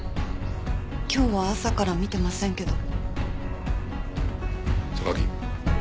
今日は朝から見てませんけど。